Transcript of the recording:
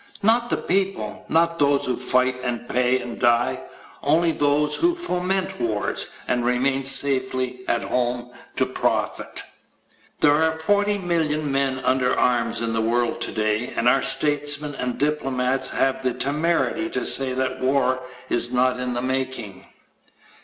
Not the people not those who fight and pay and die only those who foment wars and remain safely at home to profit. There are 40,000,000 men under arms in the world today, and our statesmen and diplomats have the temerity to say that war is not in the making.